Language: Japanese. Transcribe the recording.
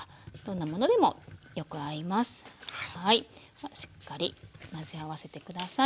さあしっかり混ぜ合わせて下さい。